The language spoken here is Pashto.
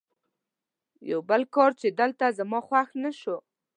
یو بل کار چې دلته زما خوښ نه شو.